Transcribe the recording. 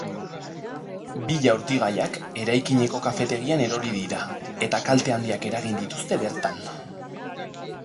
Bi jaurtigaiak eraikineko kafetegian erori dira, eta kalte handiak eragin dituzte bertan.